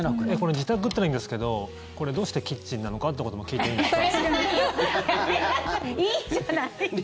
自宅というのはいいんですけどどうしてキッチンなのかということも聞いていいんですか？